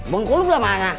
pengkulu belah mana